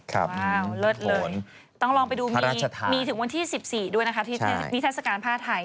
ว้าวเลิศเลยต้องลองไปดูมีถึงวันที่๑๔ด้วยนะคะที่นิทัศกาลผ้าไทย